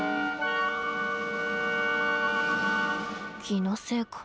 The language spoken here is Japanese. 気のせいか。